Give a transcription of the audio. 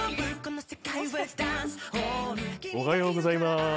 おはようございまーす。